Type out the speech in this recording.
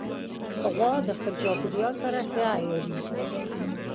غوا د خپل چاپېریال سره ښه عیارېږي.